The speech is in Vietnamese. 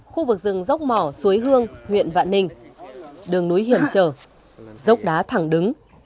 khu vực rừng dốc mỏ suối hương huyện vạn ninh đường núi hiểm trở dốc đá thẳng đứng